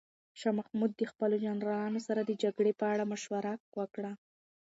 شاه محمود د خپلو جنرالانو سره د جګړې په اړه مشوره وکړه.